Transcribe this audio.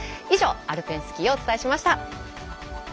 以上、アルペンスキーをお伝えしました。